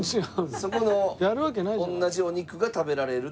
そこと同じお肉が食べられるという。